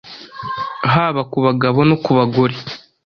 haba ku bagabo no ku bagore.